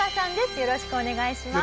よろしくお願いします。